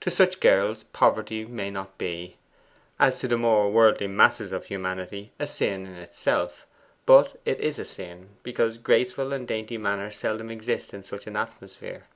To such girls poverty may not be, as to the more worldly masses of humanity, a sin in itself; but it is a sin, because graceful and dainty manners seldom exist in such an atmosphere.